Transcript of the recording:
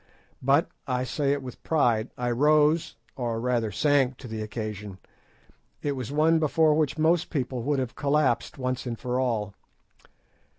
But—I say it with pride—I rose—or rather sank—to the occasion. It was one before which most people would have collapsed once and for all.